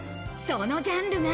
そのジャンルが。